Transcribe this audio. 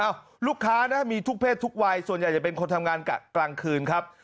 ลูกค้านะมีทุกเพศทุกวัยส่วนใหญ่จะเป็นคนทำงานกะกลางคืนครับ